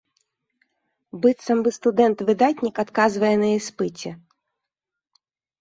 Быццам бы студэнт-выдатнік адказвае на іспыце.